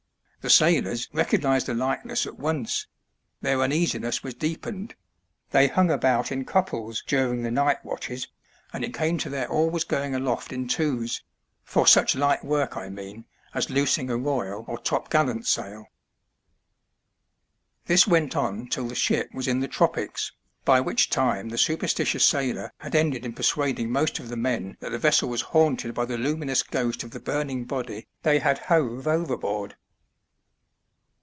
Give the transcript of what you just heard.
The sailors recognized the likeness at once ; their uneasiness was deepened ; they hung about in couples during the night watches, and it came to their always going aloft in twos — for such light work, I mean, as loosing a royal or topgallant sail. This went on till the ship was in the tropics, by which time the superstitious sailor had ended in per suading most of the men that the vessel was haunted by the luminous ghost of the burning body they had hove overboard.